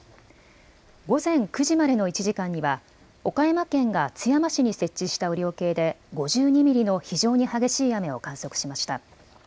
午前９時までの１時間には岡山県が津山市に設置した雨量計で５２ミリの非常に激しい雨を観測しました。